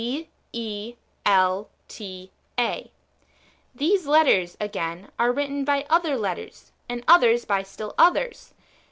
D, E, L, T, A : these letters, again, are written by other letters,^ and others still by others.